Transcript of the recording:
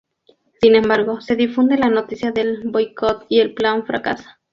Sin embargo, se difunde la noticia del boicot y el plan fracasa.